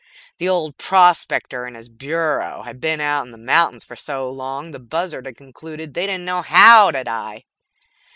The old prospector and his burro had been in the mountains for so long the buzzard had concluded they didn't know how to die.